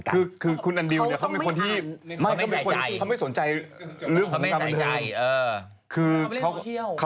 ใครไง